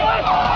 aku akan mencari